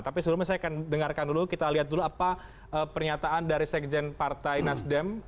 tapi sebelumnya saya akan dengarkan dulu kita lihat dulu apa pernyataan dari sekjen partai nasdem